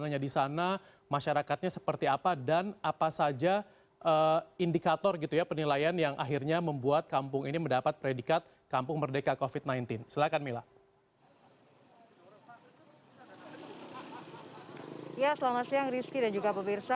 ya selamat siang rizky dan juga bapak irsa